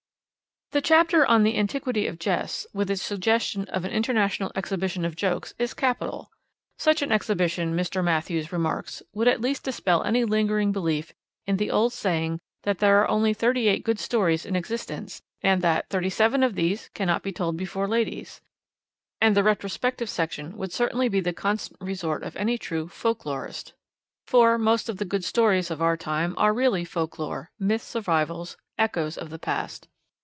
"' The chapter On the Antiquity of Jests, with its suggestion of an International Exhibition of Jokes, is capital. Such an exhibition, Mr. Matthews remarks, would at least dispel any lingering belief in the old saying that there are only thirty eight good stories in existence and that thirty seven of these cannot be told before ladies; and the Retrospective Section would certainly be the constant resort of any true folklorist. For most of the good stories of our time are really folklore, myth survivals, echoes of the past.